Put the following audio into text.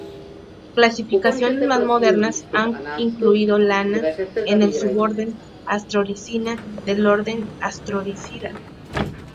Clasificaciones más modernas han incluido "Lana" en el suborden Astrorhizina del orden Astrorhizida.